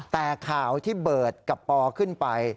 แต่ข่าวที่จะเบิดกับพลอยน์ขึ้นไป